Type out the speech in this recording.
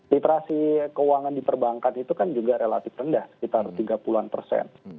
literasi keuangan di perbankan itu kan juga relatif rendah sekitar tiga puluh an persen